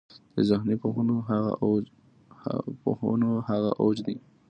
د ذهني پوهنو هغه اوج دی.